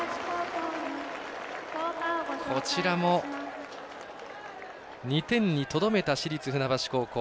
こちらも、２点にとどめた市立船橋高校。